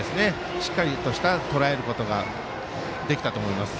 しっかりととらえることができたと思います。